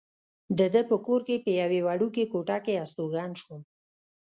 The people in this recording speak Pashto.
د ده په کور کې په یوې وړوکې کوټه کې استوګن شوم.